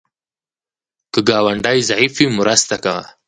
که ګاونډی ضعیف وي، مرسته کوه